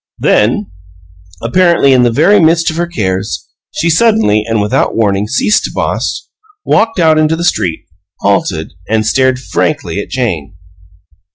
Then, apparently in the very midst of her cares, she suddenly and without warning ceased to boss, walked out into the street, halted, and stared frankly at Jane.